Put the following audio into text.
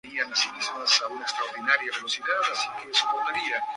Tiene una hermana gemela llamada Chloe.